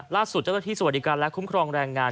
ล่าสุดเจ้าเรือนที่สวัสดิกันและคุ้มครองแรงงาน